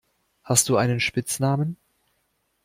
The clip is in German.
Hast du einen Spitznamen?